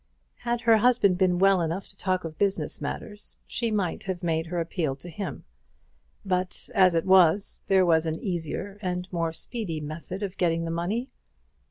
Had her husband been well enough to talk of business matters, she might have made her appeal to him; but as it was, there was an easier and more speedy method of getting the money.